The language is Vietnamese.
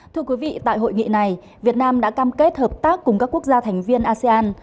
thưa quý vị tại hội nghị này việt nam đã cam kết hợp tác cùng các quốc gia thành viên asean